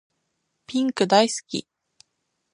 ピンク大好き